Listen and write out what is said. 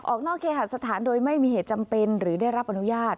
ออกนอกเคหาสถานโดยไม่มีเหตุจำเป็นหรือได้รับอนุญาต